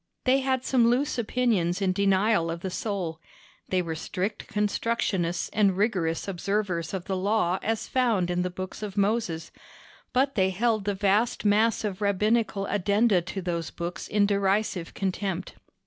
They had some loose opinions in denial of the soul. They were strict constructionists and rigorous observers of the Law as found in the books of Moses; but they held the vast mass of Rabbinical addenda to those books in derisive contempt.